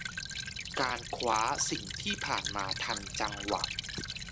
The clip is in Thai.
การคว้าสิ่งที่ผ่านมาทันจังหวะ